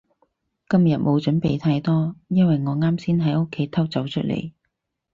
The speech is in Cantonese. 今日冇準備太多，因為我啱先喺屋企偷走出嚟